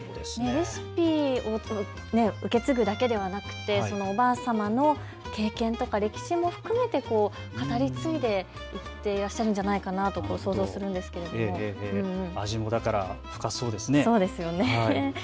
レシピを受け継ぐだけではなくておばあさまの経験や歴史も含めて語り継いでいっていらっしゃるんじゃないかと想像するんですけど、味も深そうですね。